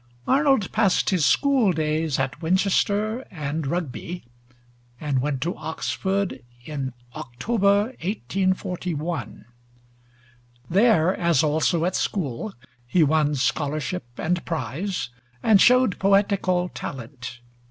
Arnold passed his school days at Winchester and Rugby, and went to Oxford in October, 1841. There, as also at school, he won scholarship and prize, and showed poetical talent.